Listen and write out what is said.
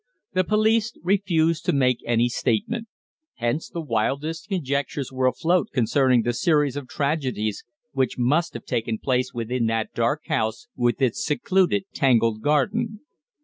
The police refused to make any statement; hence the wildest conjectures were afloat concerning the series of tragedies which must have taken place within that dark house, with its secluded, tangled garden.